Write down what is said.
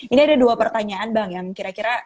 ini ada dua pertanyaan bang yang kira kira